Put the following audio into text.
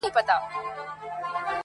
داسي هم نور ورباندي سته نومونه.!